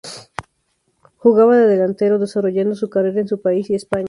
Jugaba de delantero, desarrollando su carrera en su país y España.